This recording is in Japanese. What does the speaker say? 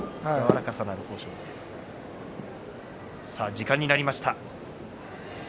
時間になりました。